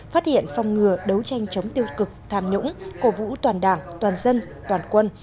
phát hiện phong ngừa đấu tranh chống tiêu cực tham nhũng cố vũ toàn đảng toàn dân toàn quân